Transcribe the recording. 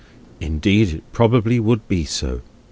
Indeed it probably would be so.